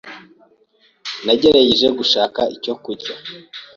Nagerageje gushaka icyo kurya.